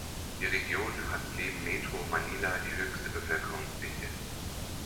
Die Region hat neben Metro Manila die höchste Bevölkerungsdichte.